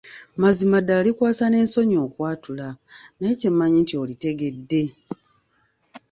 Mazima ddala likwasa n'ensonyi okwatula naye kyemmanyi nti olitegedde.